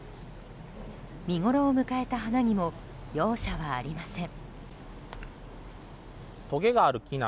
見ごろを迎えた花にも容赦はありません。